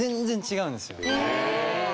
へえ！